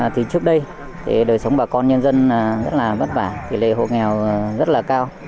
trước đây đời sống bà con nhân dân rất là bất vả tỷ lệ hồ nghèo rất là cao